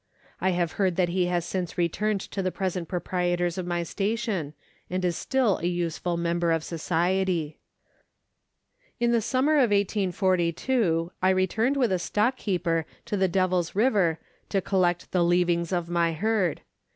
I have heard that he has since returned to the present proprietors of my station, and is still a useful member of society. In the summer of 1842 I returned with a stockkeeper to the Devil's River to collect the leavings of my herd.